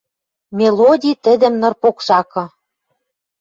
Мелоди тӹдӹм ныр покшакы